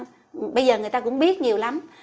thì mới vừa qua đó thì bây giờ người ta cũng biết nhiều lắm